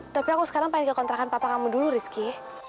tapi aku sekarang pengen ke kontrakan papa kamu dulu rizky